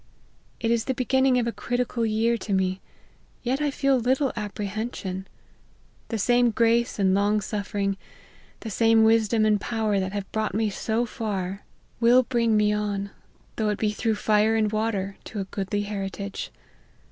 It is the beginning of a critical year to me : yet I feel little apprehension. The same grace and long suffering, the same wis dom and power, that have brought me so far, will LIFE OF HENRY MARTYN. 45 bring me on, though it be through fire , and water, to a goodly heritage.